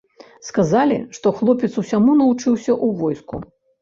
Сказалі, што хлопец усяму навучыўся ў войску.